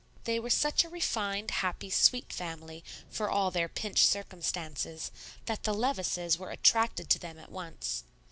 They were such a refined, happy, sweet family, for all their pinched circumstances, that the Levices were attracted to them at once.